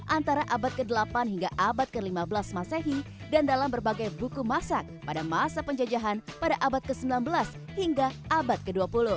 antara abad ke delapan hingga abad ke lima belas masehi dan dalam berbagai buku masak pada masa penjajahan pada abad ke sembilan belas hingga abad ke dua puluh